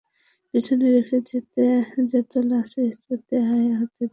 পিছনে রেখে যেত লাশের স্তূপ আর আহতদের বুকফাটা আর্তনাদ।